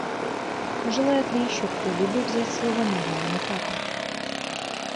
Желает ли еще кто-либо взять слово на данном этапе?